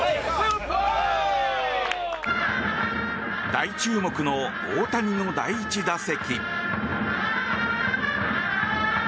大注目の大谷の第１打席。